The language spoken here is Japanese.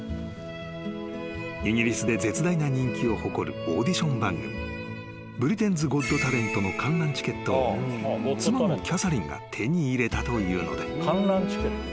［イギリスで絶大な人気を誇るオーディション番組『ブリテンズ・ゴット・タレント』の観覧チケットを妻のキャサリンが手に入れたというのだ］